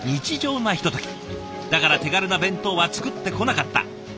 だから手軽な弁当は作ってこなかった。